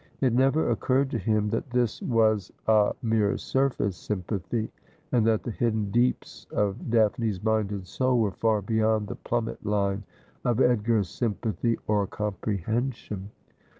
It never occurred to him that this was a mere surface sympathy, and that the hidden deeps of Daphne's mind and soul were far beyond the plummet line of Edgar's sympathy or comprehension.